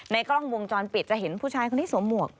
กล้องวงจรปิดจะเห็นผู้ชายคนนี้สวมหมวก